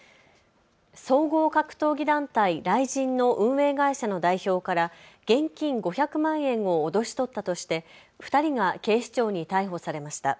総合格闘技団体、ＲＩＺＩＮの運営会社の代表から現金５００万円を脅し取ったとして２人が警視庁に逮捕されました。